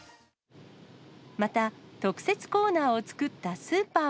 また特設コーナーを作ったス